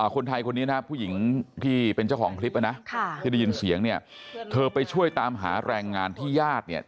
คนนี้นะครับผู้หญิงที่เป็นเจ้าของคลิปนะที่ได้ยินเสียงเนี่ยเธอไปช่วยตามหาแรงงานที่ญาติเนี่ย